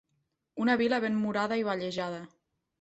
Una vila ben murada i vallejada.